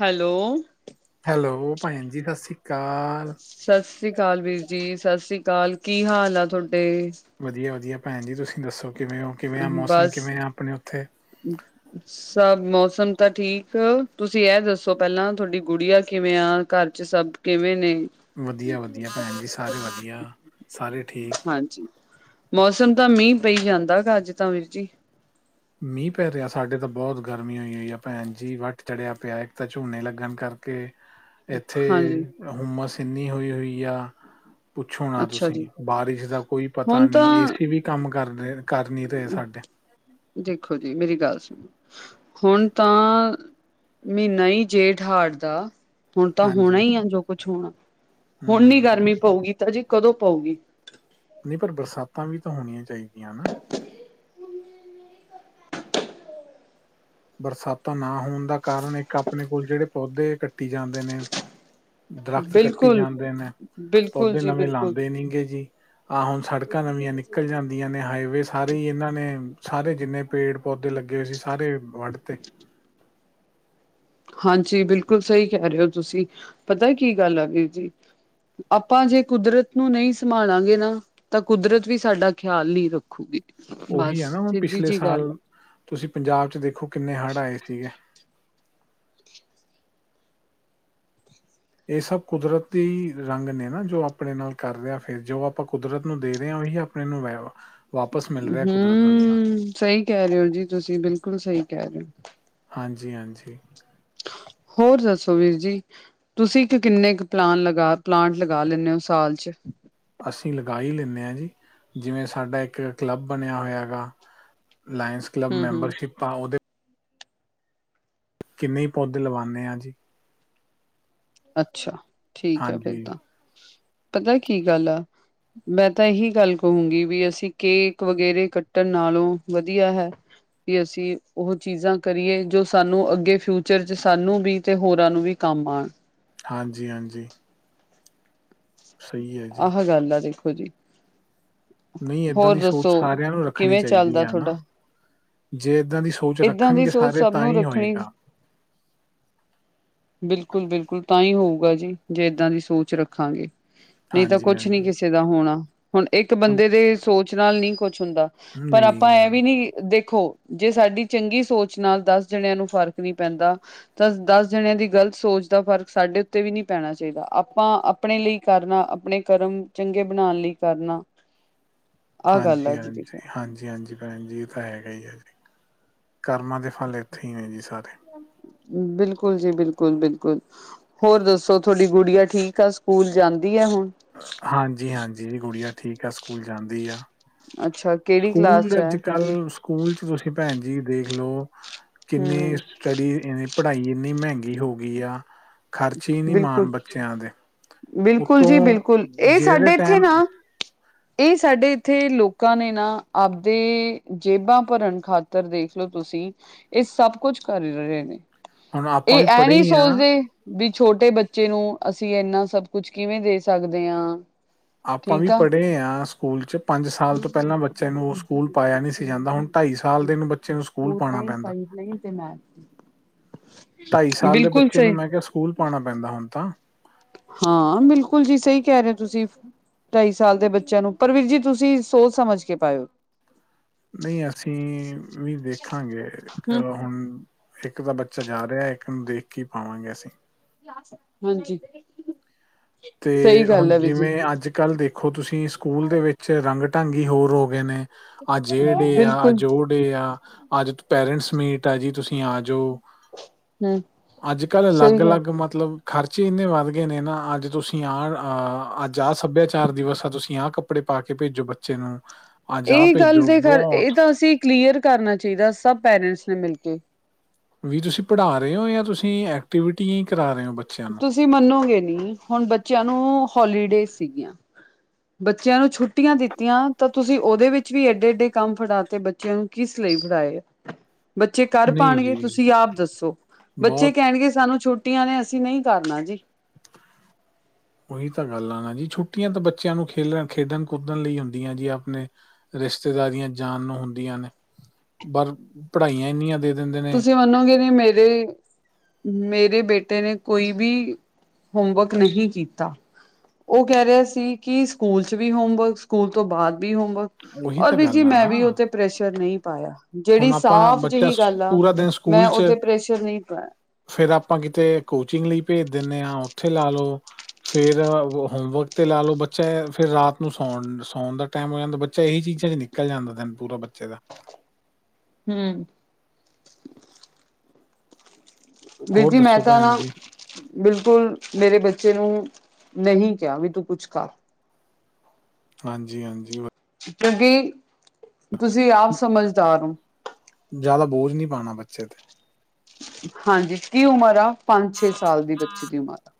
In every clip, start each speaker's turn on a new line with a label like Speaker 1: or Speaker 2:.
Speaker 1: Hello.
Speaker 2: Hello, ਭੈਣ ਜੀ ਸ਼ਸੀ ਕਾਲ।
Speaker 1: ਸਾਸੀ ਕਾਲ ਵੀਰ ਜੀ, ਸ਼ਸੀ ਕਾਲ, ਕੀ ਹਾਲ ਆ ਥੋਡੇ।
Speaker 2: ਵਧੀਆ-ਵਧੀਆ ਭੈਣ ਜੀ ਤੁਸੀਂ ਦੱਸੋ ਕਿਵੇਂ ਓ ਕਿਵੇਂ ਆ ਮੌਸਮ
Speaker 1: ਬਸ
Speaker 2: ਕਿਵੇਂ ਆ ਆਪਣੇ ਉੱਥੇ।
Speaker 1: [unintelligible] ਸਭ ਮੌਸਮ ਤਾਂ ਠੀਕ, ਤੁਸੀਂ ਇਹ ਦੱਸੋ ਪਹਿਲਾਂ ਤੁਹਾਡੀ ਗੁਡੀਆ ਕਿਵੇਂ ਆ, ਘਰ 'ਚ' ਸਭ ਕਿਵੇਂ ਨੇ।
Speaker 2: ਵਧੀਆ-ਵਧੀਆ ਭੈਣ ਜੀ ਸਾਰੇ ਵਧੀਆ ਸਾਰੇ ਠੀਕ।
Speaker 1: ਹਾਂਜੀ, ਮੌਸਮ ਤਾਂ ਮੀਂਹ ਪਈ ਜਾਂਦਾ ਗਾ ਅੱਜ ਤਾਂ ਵੀਰ ਜੀ।
Speaker 2: ਮੀਂਹ ਪੈ ਰਿਹਾ ਸਾਡੇ ਤਾਂ ਬਹੁਤ ਗਰਮੀ ਹੋਈ ਹੋਈ ਆ ਭੈਣ ਜੀ ਵੱਟ ਚੜਿਆ ਪਿਆ ਇੱਕ ਤਾਂ ਝੋਨੇ ਲੱਗਣ ਕਰ ਕੇ ਇੱਥੇ
Speaker 1: ਹਾਂਜੀ,
Speaker 2: ਹੁੰਮਸ ਇੰਨੀ ਹੋਈ ਹੋਈ ਆ। ਪੁੱਛੋ ਨਾ
Speaker 1: ਅੱਛਾ
Speaker 2: ਤੁਸੀਂ
Speaker 1: ਜੀ,
Speaker 2: ਬਾਰਿਸ਼ ਦਾ ਕੋਈ ਪਤਾ
Speaker 1: ਹੁਣ ਤਾਂ
Speaker 2: ਨਹੀਂ ਏਸੀ ਵੀ ਕੰਮ ਕਰ ਰ ਕਰ ਨਹੀਂ ਰਹੇ ਸਾਡੇ।
Speaker 1: ਦੇਖੋ ਜੀ ਮੇਰੀ ਗੱਲ ਸੁਣੋ। ਹੁਣ ਤਾਂ ਮਹੀਨਾ ਹੀ ਜੇਠ ਹਾੜ ਦਾ ਹੁਣ ਤਾਂ ਹੋਣਾ
Speaker 2: ਹਾਂਜੀ
Speaker 1: ਹੀ ਆ ਜੋ ਕੁਛ ਹੋਣਾ ਹੁਣ ਨੀ
Speaker 2: ਹਮ
Speaker 1: ਗਰਮੀ ਪਊਗੀ ਤਾਂ ਜੀ ਕਦੋਂ ਪਊਗੀ।
Speaker 2: ਨਹੀਂ ਪਰ ਬਰਸਾਤਾਂ ਵੀ ਤਾਂ ਹੋਣੀਆਂ ਚਾਹੀਦੀਆਂ ਨਾ। ਬਰਸਾਤਾਂ ਨਾ ਹੋਣ ਦਾ ਕਾਰਨ ਇੱਕ ਆਪਣੇ ਕੋਲ ਜਿਹੜੇ ਪੌਦੇ ਕੱਟੀ ਜਾਂਦੇ ਨੇ। ਦਰਖਤ ਕੱਟੀ
Speaker 1: ਬਿਲਕੁਲ
Speaker 2: ਜਾਂਦੇ ਨੇ
Speaker 1: ਬਿਲਕੁਲ
Speaker 2: ਪੌਦੇ
Speaker 1: ਜੀ
Speaker 2: ਨਵੇਂ
Speaker 1: ਬਿਲਕੁਲ
Speaker 2: ਲਾਂਦੇ ਨੀ ਗੇ ਜੀ। ਆਹ ਹੁਣ ਸੜਕਾਂ ਨਵੀਆਂ ਨਿਕਲ ਜਾਂਦੀਆਂ ਨੇ ਹਾਈਵੇ ਸਾਰੇ ਹੀ ਇਹਨਾਂ ਨੇ ਸਾਰੇ ਜਿੰਨੇ ਪੇੜ ਪੌਦੇ ਲੱਗੇ ਹੋਏ ਸੀ ਸਾਰੇ ਵੱਢ ਤੇ
Speaker 1: ਹਾਂਜੀ ਬਿਲਕੁਲ ਸਹੀ ਕਹਿ ਰਹੇ ਹੋ ਤੁਸੀਂ, ਪਤਾ ਕੀ ਗੱਲ ਆ ਵੀਰ ਜੀ ਆਪਾਂ ਜੇ ਕੁਦਰਤ ਨੂੰ ਨਹੀਂ ਸੰਭਾਲਾਂਗੇ ਨਾ ਤਾਂ ਕੁਦਰਤ ਵੀ ਸਾਡਾ ਖਿਆਲ ਨੀ ਰੱਖੂਗੀ, ਬੱਸ
Speaker 2: ਉਹੀ ਆ ਨਾ ਹੁਣ
Speaker 1: ਸਿੱਧੀ
Speaker 2: ਪਿਛਲੇ
Speaker 1: ਜੀ ਗੱਲ ਆ।
Speaker 2: ਸਾਲ ਤੁਸੀਂ ਪੰਜਾਬ 'ਚ' ਦੇਖੋ ਕਿੰਨੇ ਹੜ੍ਹ ਆਏ ਸੀਗੇ। ਇਹ ਸਭ ਕੁਦਰਤੀ ਦੇ ਰੰਗ ਨੇ ਨਾ ਜੋ ਆਪਣੇ ਨਾਲ ਕਰ ਰਿਹਾ ਫਿਰ ਜੋ ਆਪਾਂ ਕੁਦਰਤ ਨੂੰ ਦੇ ਰਹੇ ਆ ਉਹੀ ਆ ਨੂੰ ਵਾਪਸ ਮਿਲ ਰਿਹਾ ਕੁਦਰਤ ਬੰਨੀਓ।
Speaker 1: ਹਮ ਸਹੀ ਕਹਿ ਰਹੇ ਓ ਜੀ ਤੁਸੀਂ ਬਿਲਕੁਲ ਸਹੀ ਕਹਿ ਰਹੇ ਓ।
Speaker 2: ਹਾਂਜੀ- ਹਾਂਜੀ।
Speaker 1: ਹੋਰ ਦੱਸੋ ਵੀਰ ਜੀ? ਤੁਸੀਂ ਇੱਕ ਕਿੰਨੇ ਕੁ ਪਲਾਨ, ਪਲਾਂਟ ਲਗਾ ਲੈਂਦੇ ਹੋ ਸਾਲ 'ਚ।
Speaker 2: ਅਸੀਂ ਲਗਾ ਹੀ ਲੈਂਦੇ ਹਾਂ ਜੀ ਜਿਵੇਂ ਸਾਡਾ ਇੱਕ ਕਲੱਬ ਬਣਿਆ ਹੋਇਆ ਗਾ। ਲਾਇੰਸ ਕਲੱਬ
Speaker 1: ਹਮ ਹਮ
Speaker 2: ਮੈਂਬਰਸ਼ਿਪ ਆ ਉਹਦੇ ਕਿੰਨੇ ਪੌਦੇ ਲਵਾਉਂਦੇ ਹਾਂ ਜੀ।
Speaker 1: ਅੱਛਾ ਠੀਕ ਹੈ ਫਿਰ
Speaker 2: ਹਾਂਜੀ
Speaker 1: ਤਾਂ, ਪਤਾ ਕੀ ਗੱਲ ਆ ਮੈਂ ਤਾਂ ਇਹੀ ਗੱਲ ਕਹੂੰਗੀ ਵੀ ਅਸੀਂ ਕੇਕ ਵਗੈਰੇ ਕੱਟਣ ਨਾਲੋਂ ਵਧੀਆ ਹੈ ਵੀ ਅਸੀਂ ਉਹ ਚੀਜ਼ਾਂ ਕਰੀਏ ਜੋ ਸਾਨੂੰ ਅੱਗੇ ਫਿਊਚਰ 'ਚ ਸਾਨੂੰ ਵੀ ਤੇ ਹੋਰਾਂ ਨੂੰ ਵੀ ਕੰਮ ਆਣ।
Speaker 2: ਹਾਂਜੀ- ਹਾਂਜੀ। ਸਹੀ ਹੈ ਜੀ
Speaker 1: ਆਹ ਗੱਲ ਆ ਦੇਖੋ ਜੀ।
Speaker 2: ਨਹੀਂ ਏਦਾਂ
Speaker 1: ਹੋਰ
Speaker 2: ਦੀ ਸੋਚ
Speaker 1: ਦੱਸੋ
Speaker 2: ਸਾਰਿਆਂ ਨੂੰ ਰੱਖਣੀ
Speaker 1: ਕਿਵੇਂ
Speaker 2: ਚਾਹੀਦੀ
Speaker 1: ਚੱਲਦਾ
Speaker 2: ਆ ਨਾ।
Speaker 1: ਤੁਹਾਡਾ
Speaker 2: ਜੇ ਏਦਾਂ ਦੀ ਸੋਚ
Speaker 1: ਏਦਾਂ ਦੀ
Speaker 2: ਰੱਖਣਗੇ
Speaker 1: ਸੋਚ
Speaker 2: ਸਾਰੇ
Speaker 1: ਸਭ ਨੂੰ
Speaker 2: ਤਾਂਹੀ
Speaker 1: ਰੱਖਣੀ
Speaker 2: ਹੋਏਗਾ।
Speaker 1: ਬਿਲਕੁਲ ਬਿਲਕੁਲ ਤਾਂਹੀ ਹੋਊਗਾ ਜੀ। ਜੇ ਇੱਦਾਂ ਦੀ ਸੋਚ ਰੱਖਾਂਗੇ। ਨਹੀਂ ਤਾਂ
Speaker 2: ਹਾਂਜੀ
Speaker 1: ਕੁਛ ਨੀ
Speaker 2: ਹਾਂਜੀ
Speaker 1: ਕਿਸੇ ਦਾ ਹੋਣਾ। ਹੁਣ ਇੱਕ
Speaker 2: ਹੁਣ
Speaker 1: ਬੰਦੇ ਦੇ ਸੋਚ ਨਾਲ ਨਹੀਂ ਕੁਛ ਹੁੰਦਾ। ਪਰ
Speaker 2: ਨਹੀਂ
Speaker 1: ਆਪਾਂ ਇਹ
Speaker 2: ਨਾ।
Speaker 1: ਵੀ ਨੀ ਦੇਖੋ, ਜੇ ਸਾਡੀ ਚੰਗੀ ਸੋਚ ਨਾਲ ਦਸ ਜਾਣਿਆਂ ਨੂੰ ਫ਼ਰਕ ਨਹੀਂ ਪੈਂਦਾ। ਤਾਂ ਦਸ ਜਣਿਆਂ ਦੀ ਗ਼ਲਤ ਸੋਚ ਦਾ ਫਰਕ ਸਾਡੇ ਉੱਤੇ ਵੀ ਨੀ ਪੈਣਾ ਚਾਹੀਦਾ। ਆਪਾਂ ਆਪਣੇ ਲਈ ਕਰਨਾ ਆਪਣੇ ਕਰਮ ਚੰਗੇ ਬਣਾਉਣ ਲਈ ਕਰਨਾ। ਆਹ ਗੱਲ
Speaker 2: ਹਾਂਜੀ-
Speaker 1: ਆ ਜੀ
Speaker 2: ਹਾਂਜੀ,
Speaker 1: ਦੇਖੋ
Speaker 2: ਹਾਂਜੀ- ਹਾਂਜੀ। ਹਾਜੀ ਤਾਂ ਹੈਗਾ ਹੀ ਆ ਜੀ। ਕਰਮਾਂ ਦੇ ਫਲ ਇੱਥੇ ਹੀ ਨੇ ਜੀ ਸਾਰੇ।
Speaker 1: ਬਿਲਕੁਲ ਜੀ ਬਿਲਕੁਲ, ਬਿਲਕੁਲ। ਹੋਰ ਦੱਸੋ ਤੁਹਾਡੀ ਗੁੜੀਆ ਠੀਕ ਆ? ਸਕੂਲ ਜਾਂਦੀ ਆ ਹੁਣ?
Speaker 2: ਹਾਂਜੀ- ਹਾਂਜੀ। ਗੁੜੀਆ ਠੀਕ ਆ, ਸਕੂਲ ਜਾਂਦੀ ਆ।
Speaker 1: ਅੱਛਾ, ਕਿਹੜੀ ਕਲਾਸ 'ਚ?
Speaker 2: ਕੱਲ ਸਕੂਲ 'ਚ ਤੁਸੀਂ ਭੈਣ ਜੀ। ਦੇਖਲੋ ਕਿੰਨੇ
Speaker 1: ਹਮ
Speaker 2: ਸਟੱਡੀ, ਪੜ੍ਹਾਈ ਇੰਨੀ ਮਹਿੰਗੀ ਹੋ ਗਈ ਆ। ਖਰਚੇ ਹੀ ਨਹੀ ਮਾਣ
Speaker 1: ਬਿਲਕੁਲ
Speaker 2: ਬੱਚਿਆਂ ਦੇ,
Speaker 1: ਬਿਲਕੁਲ ਜੀ
Speaker 2: ਉਤੋਂ
Speaker 1: ਬਿਲਕੁਲ ਇਹ
Speaker 2: ਜਿਹੜੇ
Speaker 1: ਸਾਡੇ ਇੱਥੇ
Speaker 2: ਟਾਈਮ
Speaker 1: ਨਾ ਇਹ ਸਾਡੇ ਇੱਥੇ ਲੋਕਾਂ ਨੇ ਨਾ ਆਪਦੇ ਜੇਬਾਂ ਭਰਨ ਖਾਤਰ ਦੇਖਲਓ ਤੁਸੀਂ ਇਹ ਸਭ ਕੁਛ ਕਰ ਰਹੇ ਨੇ।
Speaker 2: ਹੁਣ ਆਪਾਂ
Speaker 1: ਇਹ
Speaker 2: ਵੀ
Speaker 1: ਐ
Speaker 2: ਪੜ੍ਹੇ
Speaker 1: ਨਹੀਂ
Speaker 2: ਹੀ ਹਾਂ
Speaker 1: ਸੋਚਦੇ ਵੀ ਛੋਟੇ ਬੱਚੇ ਨੂੰ। ਅਸੀਂ ਇੰਨਾ ਸਭ ਕੁਛ ਕਿਵੇਂ ਦੇ ਸਕਦੇ ਹਾਂ?
Speaker 2: ਆਪਾਂ ਵੀ
Speaker 1: ਠੀਕ ਆ
Speaker 2: ਪੜ੍ਹੇ ਹਾਂ। ਸਕੂਲ 'ਚ ਪੰਜ ਸਾਲ ਤੋਂ ਪਹਿਲਾਂ ਬੱਚੇ ਨੂੰ ਉਹ ਸਕੂਲ ਪਾਇਆ ਨਹੀਂ ਸੀ ਜਾਂਦਾ। ਹੁਣ ਢਾਈ ਸਾਲ ਦੇ ਨੂੰ ਬੱਚੇ ਨੂੰ ਸਕੂਲ
Speaker 1: ਫੋਰ
Speaker 2: ਪਾਉਣਾ
Speaker 1: ਨਾਈਨ,
Speaker 2: ਪੈਂਦਾ
Speaker 1: ਫਾਈਵ ਨਾਈਨ ਤੇ ਮੈਥ ਦੀ।
Speaker 2: ਢਾਈ ਸਾਲ ਦੇ ਬੱਚੇ ਨੂੰ ਮੈਂ ਕਿਹਾ ਸਕੂਲ ਪਾਣਾ ਪੈਂਦਾ ਹੁਣ ਤਾਂ।
Speaker 1: ਹਾਂ ਬਿਲਕੁਲ ਜੀ ਸਹੀ ਕਹਿ ਰਹੇ ਹੋ ਤੁਸੀਂ। ਢਾਈ ਸਾਲ ਦੇ ਬੱਚਿਆਂ ਨੂੰ ਪਰ ਵੀਰ ਜੀ ਤੁਸੀਂ ਸੋਚ ਸਮਝ ਕੇ ਪਾਈਓ।
Speaker 2: ਨਹੀਂ ਅਸੀਂ, ਵੀ ਵੇਖਾਂਗਾ ਇੱਕ
Speaker 1: ਹਮ
Speaker 2: ਹੁਣ। ਇੱਕ ਤਾਂ ਬੱਚਾ ਜਾ ਰਿਹਾ ਇੱਕ ਨੂੰ ਦੇਖ ਕੇ ਹੀ ਪਾਵਾਂਗੇ ਅਸੀਂ।
Speaker 1: [unintelligible] ਹਾਂਜੀ। ਸਹੀ
Speaker 2: ਅਤੇ ਹੁਣ
Speaker 1: ਗੱਲ ਹੈ ਵੀਰ ਜੀ
Speaker 2: ਜਿਵੇਂ ਅੱਜ-ਕੱਲ੍ਹ ਦੇਖੋ ਤੁਸੀਂ ਸਕੂਲ ਦੇ ਵਿੱਚ ਰੰਗ-ਢੰਗ ਹੀ ਹੋਰ ਹੋ ਗਏ ਨੇ। ਅਆ ਜੇੜੇ ਆ
Speaker 1: ਬਿਲਕੁਲ
Speaker 2: ਅਜੋੜ। ਆ ਅੱਜ ਪੇਰੈਂਟਸ ਮੀਟ ਆ ਜੀ। ਤੁਸੀਂ ਆ ਜੋ।
Speaker 1: ਹਮ
Speaker 2: ਅੱਜ-ਕੱਲ੍ਹ
Speaker 1: ਸਹੀ ਗੱਲ
Speaker 2: ਅਲੱਗ-ਅਲੱਗ ਮਤਲਬ ਖਰਚੇ ਇੰਨੇ ਵੱਧ ਗਏ ਨੇ ਨਾ ਅੱਜ ਤੁਸੀਂ। [unintelligible] ਅੱਜ ਆਹ ਸੱਭਿਆਚਾਰ ਦਿਵਸ ਆ ਤੁਸੀਂ ਆਹ ਕੱਪੜੇ ਪਾ ਕੇ ਭੇਜੋ ਬੱਚੇ ਨੂੰ। ਅੱਜ ਆਹ
Speaker 1: ਇਹ ਗੱਲ
Speaker 2: ਭੇਜੋ
Speaker 1: ਦੇ ਇਹ
Speaker 2: ਬਹੁਤ
Speaker 1: ਤਾਂ ਅਸੀਂ ਕਲੀਅਰ ਕਰਨਾ ਚਾਹੀਦਾ ਸਭ ਪੇਰੈਂਟਸ ਨੂੰ ਮਿਲਕੇ।
Speaker 2: ਵੀ ਤੁਸੀਂ ਪੜ੍ਹਾ ਰਹੇ ਓ ਜਾਂ ਤੁਸੀਂ ਐਕਟੀਵਿਟੀ ਕਰਾ ਰਹੇ ਓ?
Speaker 1: ਤੁਸੀਂ ਮੰਨੋਗੇ ਨੀ, ਹੁਣ ਬੱਚਿਆਂ ਨੂੰ ਹੋਲੀਡੇ ਸੀਗੀਆਂ। ਬੱਚਿਆਂ ਨੂੰ ਛੁੱਟੀਆਂ ਦਿੱਤੀਆਂ ਤਾਂ ਤੁਸੀਂ ਉਹਦੇ ਵਿੱਚ ਵੀ ਏਡੇ-ਏਡੇ ਕੰਮ ਫੜਾਤੇ ਬ ਚਿਆ ਨੂੰ ਕਿਸ ਲਈ ਫੜਾਏ ਆ।
Speaker 2: [inaudible]
Speaker 1: ਬੱਚੇ ਕਰ
Speaker 2: ਨਹੀਂ
Speaker 1: ਪਾਣਗੇ
Speaker 2: ਜੀ
Speaker 1: ਤੁਸੀਂ ਆਪ ਦੱਸੋ? ਬੱਚੇ
Speaker 2: ਬਹੁਤ
Speaker 1: ਕਹਿਣਗੇ ਸਾਨੂੰ ਛੋਟੀਆਂ ਨੇ ਅਸੀਂ ਨਹੀਂ ਕਰਨਾ ਜੀ।
Speaker 2: ਉਹੀ ਤਾਂ ਗੱਲ ਆ ਨਾ ਜੀ। ਛੁੱਟੀਆਂ ਤਾਂ ਬੱਚਿਆਂ ਨੂੰ ਖੇਡਣ ਖੇਡਣ ਕੁਦਣ ਲਈ ਹੁੰਦੀਆਂ ਜੀ ਆਪਣੇ। ਰਿਸ਼ਤੇਦਾਰੀਆਂ ਜਾਨ ਨੂੰ ਹੁੰਦੀਆਂ ਨੇ। ਪਰ ਪੜ੍ਹਾਈਆਂ ਇਨੀਆਂ ਦੇ ਦਿੰਦੇ ਨੇ।
Speaker 1: ਤੁਸੀਂ ਮੰਨੋਗੇ ਨੀ ਮੇਰੇ ਮੇਰੇ ਬੇਟੇ ਨੇ ਕੋਈ ਵੀ, ਹੋਮਵਰਕ ਨਹੀਂ ਕੀਤਾ। ਉਹ ਕਹਿ ਰਿਹਾ ਸੀ ਕਿ ਸਕੂਲ 'ਚ' ਵੀ ਹੋਮਵਰਕ ਸਕੂਲ ਤੋਂ ਬਾਅਦ ਵੀ ਹੋਮਵਰਕ।
Speaker 2: ਉਹੀ
Speaker 1: ਔਰ
Speaker 2: ਤਾਂ
Speaker 1: ਵੀਰ ਜੀ
Speaker 2: ਗੱਲ ਆ
Speaker 1: ਮੈਂ
Speaker 2: ਨਾ
Speaker 1: ਵੀ ਉਹ ਤੇ ਪ੍ਰੈਸ਼ਰ ਨਹੀਂ ਪਾਇਆ।
Speaker 2: ਹੁਣ
Speaker 1: ਜਿਹੜੀ
Speaker 2: ਆਪਾਂ
Speaker 1: ਸਾਫ
Speaker 2: ਬੱਚਾ
Speaker 1: ਜਿਹੀ
Speaker 2: ਸ-
Speaker 1: ਗੱਲ ਆ।
Speaker 2: ਪੂਰਾ ਦਿਨ
Speaker 1: ਮੈਂ
Speaker 2: ਸਕੂਲ 'ਚ
Speaker 1: ਉਹ ਤੇ ਪ੍ਰੈਸ਼ਰ ਨਹੀਂ ਪਾਇਆ।
Speaker 2: ਫਿਰ ਆਪਾਂ ਕਿਤੇ ਕੋਚਿੰਗ ਲਈ ਭੇਜ ਦਿਣੇ ਆ ਉੱਥੇ ਲਾ ਲਉ। ਫਿਰ ਹੋਮਵਰਕ 'ਤੇ ਲਾ ਲਉ ਬੱਚਾ ਫਿਰ ਰਾਤ ਨੂੰ ਸੌਣ- ਸੌਣ ਦਾ ਟਾਈਮ ਹੋ ਜਾਂਦਾ ਬੱਚਾ ਇਹੀ ਚੀਜ਼ਾਂ 'ਚ' ਨਿਕਲ ਨਿਕਲ ਜਾਂਦਾ ਦਿਨ ਪੂਰਾ ਬੱਚੇ ਦਾ
Speaker 1: ਹਮ। ਵੀਰ
Speaker 2: ਹੋਰ
Speaker 1: ਜੀ, ਮੈਂ
Speaker 2: ਦੱਸੋ
Speaker 1: ਤਾਂ
Speaker 2: ਭੈਣ
Speaker 1: ਨਾ
Speaker 2: ਜੀ
Speaker 1: ਬਿਲਕੁਲ ਮੇਰੇ ਬੱਚੇ ਨੂੰ [inaudible] ਨਹੀਂ ਕਿਹਾ ਵੀ ਤੂੰ ਕੁਛ ਖਾ
Speaker 2: ਹਾਂਜੀ-ਹਾਂਜੀ।
Speaker 1: ਕਿਉਂਕਿ [inaudible] ਤੁਸੀਂ ਆਪ ਸਮਝਦਾਰ ਓ।
Speaker 2: ਜ਼ਿਆਦਾ ਬੋਝ ਨਹੀਂ ਪਾਣਾ ਬੱਚੇ 'ਤੇ
Speaker 1: ਹਾਂਜੀ, ਕੀ ਉਮਰ ਆ ਪੰਜ-ਛੇ ਸਾਲ ਦੀ ਬੱਚੇ ਦੀ ਉਮਰ ਆ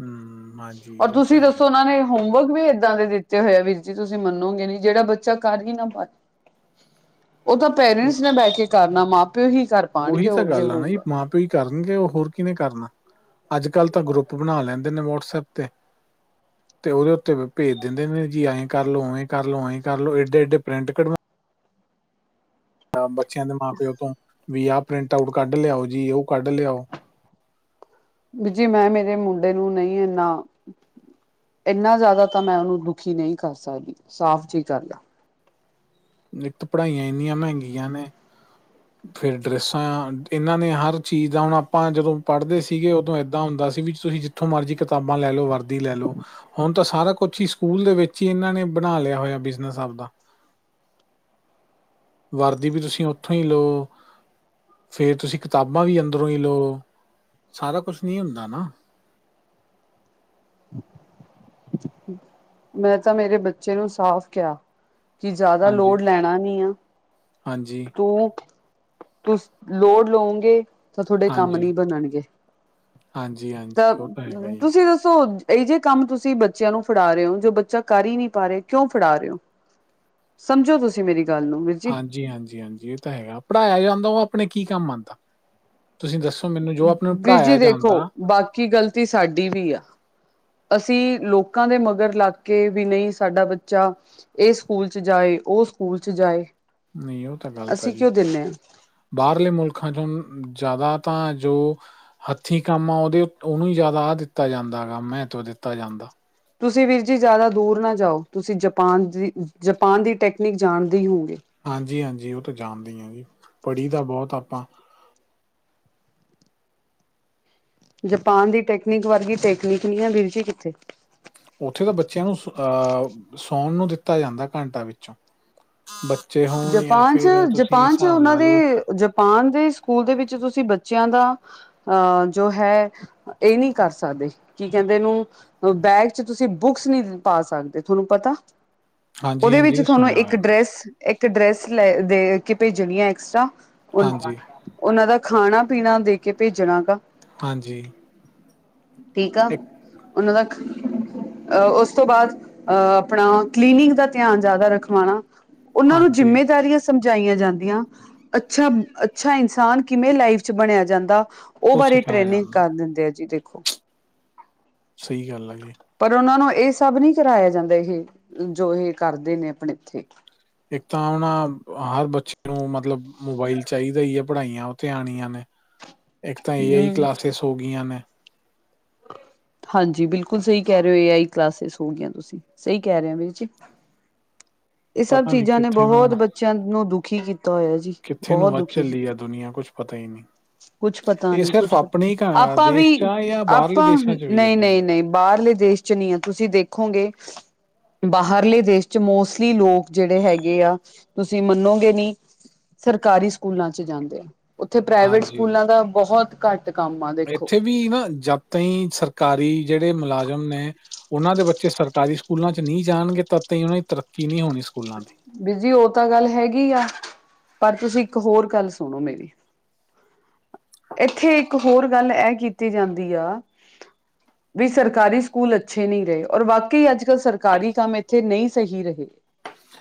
Speaker 2: ਹਮ। ਹਾਂਜੀ
Speaker 1: ਔਰ
Speaker 2: ਇਹ ਤਾਂ
Speaker 1: ਤੁਸੀਂ
Speaker 2: ਹੈਗਾ
Speaker 1: ਦੱਸੋ
Speaker 2: ਹੀ
Speaker 1: ਉਹਨਾਂ ਨੇ ਹੋਮਵਰਕ ਵੀ ਏਦਾਂ ਦੇ ਦਿੱਤੇ ਹੋਏ ਆ ਵੀਰ ਜੀ ਤੁਸੀਂ ਮੰਨੋਗੇ ਨੀ ਜਿਹੜਾ ਬੱਚਾ ਕਰ ਹੀ ਨਾ ਪਾਏ
Speaker 2: [inaudible]
Speaker 1: ਉਹ ਤਾਂ ਪੇਰੈਂਟਸ ਨੇ ਬਹਿ ਕੇ ਕਰਨਾ ਮਾਂ-ਪਿਓ ਹੀ ਕਰ
Speaker 2: ਉਹੀ
Speaker 1: ਪਾਉਣਗੇ
Speaker 2: ਤਾਂ
Speaker 1: ਉਹ ਜੇ
Speaker 2: ਗੱਲ ਆ ਨਾ ਜੀ
Speaker 1: ਹੋਊਗਾ।
Speaker 2: ਮਾਂ ਕਰਨਗੇ ਉਹ ਹੋਰ ਕਿਨੇ ਕਰਨਾ [inaudible] ਅੱਜ-ਕੱਲ੍ਹ ਤਾਂ ਲੈਂਦੇ ਨੇ ਵੌਟਸਐਪ 'ਤੇ 'ਤੇ ਉਹਦੇ ਉੱਤੇ ਭੇਜ ਦਿੰਦੇ ਨੇ ਜੀ ਐਏਂ ਵੇਂ ਏਂ ਕਰਲੋ ਇਡੇ ਏਡੇ-ਏਡੇ ਪ੍ਰਿੰਟ ਕੱਢਵਾ ਬੱਚਿਆਂ ਦੇ ਮਾਂ-ਪਿਓ ਤੋਂ ਵੀ ਆਹ ਪ੍ਰਿੰਟ ਆਊਟ ਕੱਢ ਲਿਆਓ ਜੀ, ਉਹ ਕੱਢ ਲਿਆਓ
Speaker 1: ਵੀਜੀ ਮੈਂ ਮੇਰੇ ਮੁੰਡੇ ਨੂੰ ਨਹੀਂ ਇੰਨਾ ਇੰਨਾ ਜ਼ਿਆਦਾ ਤਾ ਮੈਂ ਉਹਨੂੰ ਦੁਖੀ ਨਹੀਂ ਕਰ ਸਕਦੀ ਸਾਫ਼ ਜੀ ਗੱਲ ਆ
Speaker 2: ਨਿੱਤ ਪੜ੍ਹਾਈਆਂ ਇੰਨੀਆਂ ਮਹਿੰਗੀਆਂ ਨੇ [inaudible] ਫਿਰ ਡਰੈਸਾਂ ਇਹਨਾਂ ਨੇ ਹਰ ਚੀਜ਼ ਦਾ ਹੁਣ ਆਪਾਂ ਜਦੋਂ ਪੜ੍ਹਦੇ ਸੀਗੇ ਉਦੋਂ ਇੱਦਾਂ ਹੁੰਦਾ ਸੀ ਵੀ ਤੁਸੀਂ ਜਿੱ ਜਿੱਥੋਂ ਮਰਜ਼ੀ ਕਿਤਾਬਾਂ ਲੈ ਲੋ, ਵਰਦੀ ਲੈ ਲੋ ਹੁਣ ਤਾਂ ਸਾਰਾ ਕੁਛ ਹੀ ਸਕੂਲ ਦੇ ਵਿੱਚ ਹੀ ਇਹਨਾਂ ਨੇ ਬਣਾ ਲਿਆ ਹੋਇਆ ਬਿਜਨਸ ਆਬਦਾ ਵਰਦੀ ਵੀ ਤੁਸੀਂ ਉੱਥੋਂ ਹੀ ਲਓ। ਫਿਰ ਤੁਸੀਂ ਕਿਤਾਬਾਂ ਵੀ ਅੰਦਰੋਂ ਹੀ ਲਉ [inaudible] ਸਾਰਾ ਕੁਛ ਨੀ ਹੁੰਦਾ ਨਾ।
Speaker 1: [inaudible] ਮੈਂ ਤਾਂ ਮੇਰੇ ਬੱਚੇ ਨੂੰ ਸਾਫ਼ ਕਿਹਾ ਕਿ ਜ਼ਿਆਦਾ
Speaker 2: ਹਾਂਜੀ।
Speaker 1: ਲੋੜ ਲੈਣਾ ਨੀ ਆ,
Speaker 2: ਹਾਂਜੀ,
Speaker 1: [inaudible] ਤੂੰ ਤੁਸੀਂ ਲੋਡ ਲਉਗੇ ਤਾਂ ਤੋਂਹਡੇ ਕੰਮ ਨੀ ਬਣਨਗੇ।
Speaker 2: ਹਾਂਜੀ-ਹਾਂਜੀ।
Speaker 1: ਤਾਂ [inaudible] ਤੁਸੀਂ ਦੱਸੋ? ਇਹ ਜਿਹੇ ਕੰਮ ਤੁਸੀਂ ਬੱਚਿਆਂ ਨੂੰ ਫੜਾ ਰਹੇ ਹੋ, ਜੋ ਬੱਚਾ ਕਰ ਹੀ ਨਹੀਂ ਪਾ ਰਿਹਾ ਕਿਉਂ ਫੜਾ ਰਹੇ ਹੋ? ਸਮਝੋ ਤੁਸੀਂ ਮੇਰੀ ਗੱਲ ਨੂੰ। ਜੀ।
Speaker 2: ਹਾਂਜੀ-ਹਾਂਜੀ ਹਾਂਜੀ, ਇਹ ਤਾਂ ਹੈਗਾ ਪੜ੍ਹਾਇਆ ਜਾਂਦਾ ਉਹ ਆਪਣੇ ਕੀ ਕੰਮ ਆਉਂਦਾ? ਤੁਸੀਂ ਦੱਸੋ ਮੈਨੂੰ ਜੋ ਆਪਾਂ ਨੂੰ ਪੜ੍ਹਾਇਆ ਜਾਂਦਾ
Speaker 1: ਕੀ ਗ਼ਲਤੀ ਸਾਡੀ ਵੀ ਆ ਅਸੀਂ ਲੋਕਾਂ ਦੇ ਮਗਰ ਲੱਗ ਕੇ ਵੀ ਨਹੀਂ ਸਾਡਾ ਬੱਚਾ ਇਹ ਸਕੂਲ 'ਚ' ਜਾਏ ਉਹ ਸਕੂਲ 'ਚ'ਜਾਏ।
Speaker 2: ਨਹੀਂ ਉਹ ਤਾਂ ਗਲਤ ਹੈ ਜੀ। ਬਾਹਰਲੇ ਮੁਲਕਾਂ ਚੋਂ ਜ਼ਿਆਦਾ ਤਾਂ ਜੋ ਹੱਥੀਂ ਕੰਮ ਆ ਉਹਦੇ ਉਹਨੂੰ ਹੀ ਜ਼ਿਆਦਾ ਆਹ ਦਿੱਤਾ ਜਾਂਦਾ ਹੈਗਾ ਮਹੱਤਵ ਦਿੱਤਾ ਜਾਂਦਾ।
Speaker 1: ਤੁਸੀਂ ਵੀਰ ਜੀ ਜ਼ਿਆਦਾ ਦੂਰ ਨਾ ਜਾਓ ਤੁਸੀਂ ਜਪਾਨ ਦੀ ਜਪਾਨ ਦੀ ਟੈਕਨੀਕ ਜਾਣਦੇ ਹੋਗੇ
Speaker 2: ਹਾਂਜੀ-ਹਾਂਜੀ ਉਹ ਤਾਂ ਜਾਣਦੇ ਹਾਂ ਹੀ ਆ ਪੜ੍ਹੀ ਦਾ ਬਹੁਤ ਆਪਾਂ
Speaker 1: ਜਪਾਨ ਦੀ ਟੈਕਨੀਕ ਵਰਗੀ ਟੈਕਨੀਕ ਨੀ ਆ ਵੀਰ ਜੀ ਕਿੱਥੇ
Speaker 2: ਉੱਥੇ ਤਾਂ ਬੱਚਿਆਂ ਨੂੰ ਅਹ ਸੌਣ ਨੂੰ ਦਿੱਤਾ ਜਾਂਦਾ ਘੰਟਾ ਵਿੱਚੋਂ ਬੱਚੇ ਹੋਣ ਜਾਂ
Speaker 1: ਜਪਾਨ
Speaker 2: ਫਿਰ ਤੁਸੀਂ ਹਿਸਾਬ ਲਾ ਲਓ।
Speaker 1: ਪਾਨ ਦੇ ਸਕੂਲ ਦੇ ਵਿੱਚ ਤੁਸੀਂ ਬੱਚਿਆਂ ਦਾ ਅ ਜੋ ਹੈ। ਇਹ ਨਹੀਂ ਕਰ ਸਕਦੇ ਕੀ ਕਹਿੰਦੇ ਇਹਨੂੰ ਬੈਗ 'ਚ ਤੁਸੀਂ ਬੁੱਕਸ ਨਹੀਂ ਪਾ ਸਕਦੇ ਥੋਨੂੰ ਪਤਾ
Speaker 2: ਹਾਂਜੀ
Speaker 1: ਉਹਦੇ ਵਿੱਚ
Speaker 2: ਹਾਂਜੀ
Speaker 1: ਥੋਨੂੰ
Speaker 2: ਸੁਣਿਆ
Speaker 1: ਇੱਕ
Speaker 2: ਹੋਇਆ ਮੈਂ
Speaker 1: ਡਰੈਸ ਇੱਕ ਡਰੈਸ ਲੈ ਦੇ ਕੇ ਭੇਜਣੀ ਆ ਐਕਸਟਰਾ [unintelligible]
Speaker 2: ਹਾਂਜੀ
Speaker 1: ਉਹਨਾਂ ਦਾ ਖਾਣਾ-ਪੀਣਾ ਦੇ ਕੇ ਭੇਜਣਾ ਗਾ।
Speaker 2: ਹਾਂਜੀ।
Speaker 1: ਟੀਕਾ ਆ
Speaker 2: ਇੱਕ
Speaker 1: ਉਹਨਾਂ ਦਾ ਅਹ ਉਸ ਤੋਂ ਬਾਅਦ ਅਹ ਆਪਣਾ ਕਲੀਨਿੰਗ ਦਾ ਧਿਆਨ ਜ਼ਿਆਦਾ ਰਖਵਾਣਾ। ਉਹਨਾਂ ਨੂੰ
Speaker 2: ਹਾਂਜੀ
Speaker 1: ਜਿੰਮੇਦਾਰੀਆਂ ਸਮਝਾਈਆਂ ਜਾਂਦੀਆਂ ਅੱਛਾ-ਅੱਛਾ ਇਨਸਾਨ ਕਿਵੇਂ ਲਾਈਫ਼ 'ਚ ਕਿਵੇਂ ਬਣਿਆ ਜਾਂਦਾ। ਉਹ ਬਾਰੇ
Speaker 2: ਸਿਖਾਇਆ
Speaker 1: ਟ੍ਰੇਨਿੰਗ
Speaker 2: ਜਾਂਦਾ
Speaker 1: ਕਰ ਦਿੰਦੇ ਆ ਜੀ ਦੇਖੋ।
Speaker 2: ਸਹੀ ਗੱਲ ਐ ਜੇ।
Speaker 1: ਪਰ ਉਹਨਾਂ ਨੂੰ ਇਹ ਸਭ ਨਹੀਂ ਕਰਾਇਆ ਜਾਂਦਾ ਇਹ ਜੋ ਇਹ ਕਰਦੇ ਨੇ ਆਪਣੇ ਇੱਥੇ
Speaker 2: ਇੱਕ ਤਾਂ ਹਨਾ ਹਰ ਬੱਚੇ ਨੂੰ ਮਤਲਬ ਮੋਬਾਈਲ ਚਾਹੀਦਾ ਹੀ ਆ। ਪੜ੍ਹਾਈਆਂ ਉਥੇ ਆਣੀਆਂ ਨੇ ਇੱਕ ਤਾਂ ਏ ਆਈ
Speaker 1: ਹਮ
Speaker 2: ਕਲਾਸਿਸ ਹੋ ਗਈਆਂ ਨੇ।
Speaker 1: ਹਾਂਜੀ ਬਿਲਕੁਲ ਸਹੀ ਕਹਿ ਰਹੇ ਹੋ ਏ ਆਈ ਕਲਾਸਿਸ ਹੋ ਗਈਆਂ ਤੁਸੀਂ ਸਹੀ ਕਹਿ ਰਹੇ ਹੋ ਵੀਰ ਜੀ। ਇਹ ਸਭ
Speaker 2: ਪਤਾ ਨਹੀਂ
Speaker 1: ਚੀਜ਼ਾਂ ਨੇ
Speaker 2: ਕਿੱਥੇ ਨੂੰ
Speaker 1: ਬਹੁਤ ਬੱਚਿਆਂ ਨੂੰ ਦੁਖੀ ਕੀਤਾ ਹੋਇਆ ਜੀ।
Speaker 2: ਕਿੱਥੇ ਨੂੰ
Speaker 1: ਬਹੁਤ
Speaker 2: ਵੱਧ ਚੱਲੀ ਐ ਦੁਨੀਆਂ ਕੁਛ ਪਤਾ ਹੀ ਨਹੀਂ।
Speaker 1: ਕੁੱਛ ਪਤਾ
Speaker 2: ਇਹ
Speaker 1: ਨੀ
Speaker 2: ਸਿਰਫ
Speaker 1: ਕੁੱਛ
Speaker 2: ਆਪਣੇ ਹੀ ਘ
Speaker 1: ਪਤਾ ਆਪਾਂ
Speaker 2: ਦੇਸ਼
Speaker 1: ਵੀ
Speaker 2: 'ਚ ਆ ਜਾਂ ਬਾਹਰਲੇ
Speaker 1: ਆਪਾਂ
Speaker 2: ਦੇਸ਼ਾਂ 'ਚ ਵੀ
Speaker 1: ਨਹੀਂ
Speaker 2: ਇੱਦਾਂ ਹੀ
Speaker 1: -ਨਹੀਂ
Speaker 2: ਆ
Speaker 1: ਨਹੀਂ ਬਾਹਰਲੇ ਦੇਸ਼ 'ਚ ਨਹੀਂ ਐ ਤੁਸੀਂ ਦੇਖੋਗੇ ਬਾਹਰਲੇ ਦੇਸ਼ ਚ ਮੋਸਟ ਵੀ ਲੋਕ ਜਿਹੜੇ ਹੈਗੇ ਆ ਤੁਸੀਂ ਮੰਨੋਗੇ ਨੀ। ਸਰਕਾਰੀ ਸਕੂਲਾਂ 'ਚ ਜਾਂਦੇ ਆ ਉੱਥੇ ਪ੍ਰਾਈਵੇਟ
Speaker 2: ਹਾਂਜੀ
Speaker 1: ਸਕੂਲਾਂ ਦਾ ਬਹੁਤ ਘੱਟ ਕੰਮ ਆ। ਦੇਖੋ
Speaker 2: ਇੱਥੇ ਵੀ ਨਾ ਜਦ ਤਾਂਈ ਸਰਕਾਰੀ ਜਿਹੜੇ ਮੁਲਾਜ਼ਮ ਨੇ ਉਹਨਾਂ ਦੇ ਬੱਚੇ ਸਰਕਾਰੀ ਸਕੂਲਾਂ 'ਚ ਨਹੀਂ ਜਾਣਗੇ ਤਦ ਤਾਹੀ ਉਹਨਾਂ ਤਰੱਕੀ ਨਹੀਂ ਹੋਣੀ। ਸਕੂਲਾਂ ਦੀ।
Speaker 1: ਬੀਜੀ ਉਹ ਤਾਂ ਗੱਲ ਹੈਗੀ ਆ ਪਰ ਤੁਸੀਂ ਇੱਕ ਹੋਰ ਗੱਲ ਸੁਣੋ ਮੇਰੀ
Speaker 2: [inaudible]
Speaker 1: ਇੱਥੇ ਇੱਕ ਹੋਰ ਗੱਲ ਐ ਕੀਤੀ ਜਾਂਦੀ ਆ
Speaker 2: [inaudible]
Speaker 1: ਵੀ ਸਰਕਾਰੀ ਸਕੂਲ ਅੱਛੇ ਨਹੀਂ ਰਹੇ ਔਰ ਵਾਕਈ ਅੱਜ - ਕੱਲ੍ਹ ਸਰਕਾਰੀ ਕੰਮ ਇੱਥੇ ਨਹੀਂ ਸਹੀ ਰਹੇ।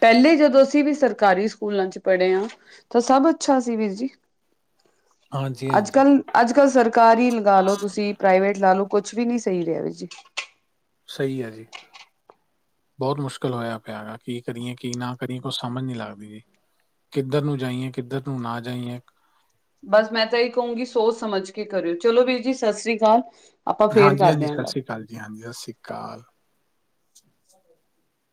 Speaker 1: ਪਹਿਲੇ ਜਦੋਂ ਅਸੀਂ ਵੀ ਸਰਕਾਰੀ ਸਕੂਲਾਂ 'ਚ ਪੜ੍ਹੇ ਹਾਂ ਤਾਂ ਸਭ ਅੱਛਾ ਸੀ ਵੀਰ ਜੀ।
Speaker 2: ਹਾਂਜੀ, ਹਾਂਜੀ।
Speaker 1: ਅੱਜ-ਕੱਲ੍ਹ ਅੱਜ- ਕੱਲ੍ਹ ਸਰਕਾਰੀ ਲਗਾ ਲੋ ਤੁਸੀਂ ਪ੍ਰਾਈਵੇਟ ਲਾ ਲਓ ਕੁਛ ਵੀ ਨੀ ਸਹੀ ਰਿਹਾ ਵੀਰ ਜੀ।
Speaker 2: ਸਹੀ ਆ ਜੀ। ਬਹੁਤ ਮੁਸ਼ਕਿਲ ਹੋਇਆ ਪਿਆ ਗਾ ਕੀ ਕਰੀਏ ਕੀ ਨਾ ਕਰੀਏ ਏ ਕੁਛ ਸਮਝ ਨੀ ਲੱਗਦੀ ਜੀ। ਕਿੱਧਰ ਨੂੰ ਜਾਂਈਏ ਕਿੱਧਰ ਨੂੰ ਨਾ ਜਾਂਈਏ।
Speaker 1: ਬਸ ਮੈਂ ਤਾਂ ਇਹ ਕਹੂੰਗੀ ਸੋਚ ਸਮਝ ਕਰਿਓ ਚਲੋ ਵੀਰ ਜੀ ਸਾਸਰੀ ਕਾਲ। ਆਪਾਂ ਫੇਰ
Speaker 2: ਹਾਂਜੀ,
Speaker 1: ਕਰਦੇ ਆ
Speaker 2: ਸਤਿ
Speaker 1: ਗੱਲ।
Speaker 2: ਸ਼੍ਰੀ ਅਕਾਲ ਹਾਂਜੀ ਹਾਂਜੀ ਸਸਰੀ ਕਾਲ।